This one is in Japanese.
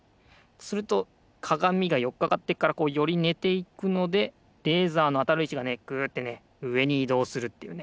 するとかがみがよっかかってるからこうよりねていくのでレーザーのあたるいちがねグッてねうえにいどうするっていうね